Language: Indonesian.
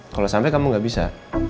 kalau sampai kamu gak bisa